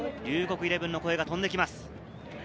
イレブンの声が飛んできます。